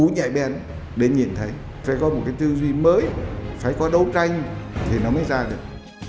nhạy bén để nhìn thấy phải có một cái tư duy mới phải có đấu tranh thì nó mới ra được